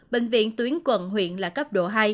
bệnh viện tuyến quận huyện là cấp độ hai